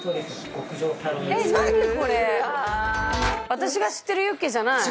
私が知ってるユッケじゃない。